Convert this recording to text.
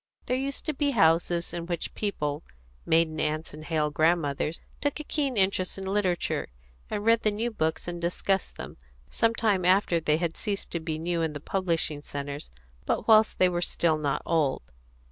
There used to be houses in which people, maiden aunts and hale grandmothers, took a keen interest in literature, and read the new books and discussed them, some time after they had ceased to be new in the publishing centres, but whilst they were still not old.